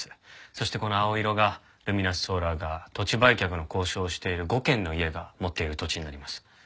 そしてこの青色がルミナスソーラーが土地売却の交渉をしている５軒の家が持っている土地になります。